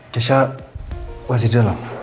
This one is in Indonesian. jesha masih di dalam